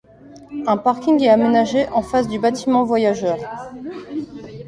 Un parking est aménagé en face du bâtiment voyageurs.